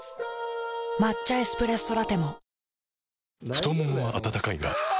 太ももは温かいがあ！